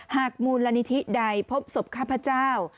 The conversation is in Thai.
หากมูลนิธิใดพบศพข้าพเจ้า